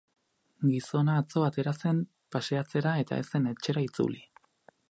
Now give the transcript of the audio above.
Gizona atzo atera zen paseatzera eta ez zen etxera itzuli.